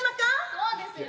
そうですよ。